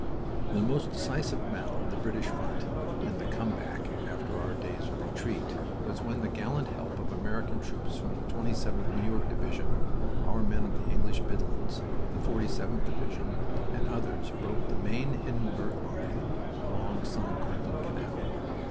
The most decisive battle of the British front in the "come back," after our days of retreat, was when with the gallant help of American troops of the 27th New York Division our men of the English Midlands, the 46th Division, and others, broke the main Hindenburg line along the St. Quentin Canal.